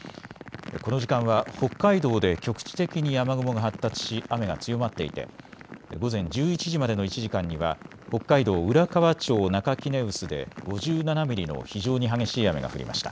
この時間は北海道で局地的に雨雲が発達し雨が強まっていて午前１１時までの１時間には北海道浦河町中杵臼で５７ミリの非常に激しい雨が降りました。